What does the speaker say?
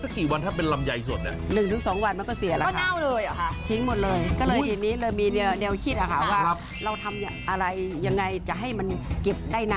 อ้าวแต่อยู่ลำคูณแล้วลำไยเฉียบอ่ะแล้วถึงปัญหาก่อน